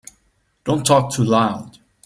Don't talk too loud.